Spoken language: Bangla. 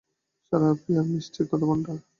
সারাহ ফিয়ার, মিষ্টি কথার ভান্ডার।